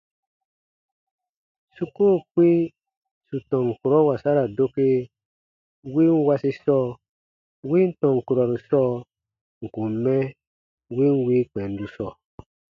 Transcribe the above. Su koo kpĩ sù tɔn kurɔ wasara doke win wasi sɔɔ, win tɔn kurɔru sɔɔ ǹ kun mɛ win wii kpɛndu sɔɔ.